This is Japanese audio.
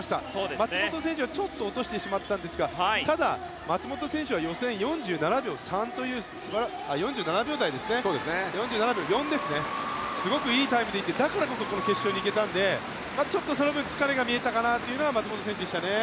松元選手は落としてしまったんですが松元選手は予選４７秒４ですねすごくいいタイムでだからこそ決勝に行けたのでちょっとその分疲れが見えたかなというのが松元選手でしたね。